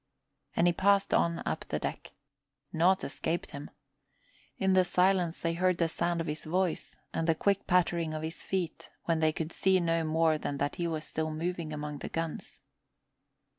And he passed on up the deck. Nought escaped him. In the silence they heard the sound of his voice and the quick pattering of his feet when they could see no more than that he was still moving among the guns.